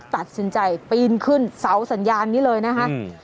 ตัดสินใจปีนขึ้นเสาสัญญาณนี้เลยนะคะ